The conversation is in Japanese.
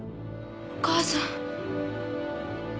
お母さん！